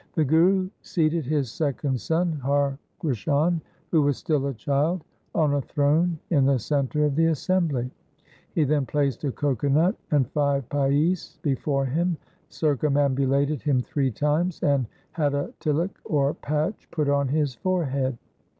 The Guru seated his second son Har Krishan, who was still a child, on a throne in the centre of the assembly. He then placed a coco nut and five paise before him, circumambulated him three times, and had a tilak or patch put on his forehead.